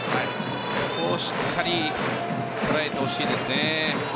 そこをしっかり捉えてほしいですね。